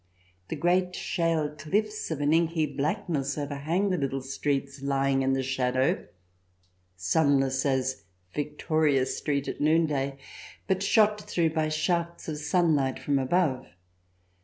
The great shale cliffs of an inky blackness overhang the little streets lying in the shadow, sunless as Victoria Street at noon day, but shot through by shafts of sunlight from above.